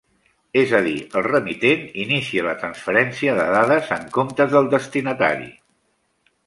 És a dir, el remitent inicia la transferència de dades, en comptes del destinatari.